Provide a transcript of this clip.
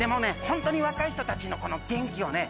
ほんとに若い人たちの元気をね